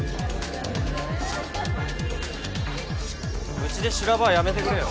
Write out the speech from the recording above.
うちで修羅場はやめてくれよ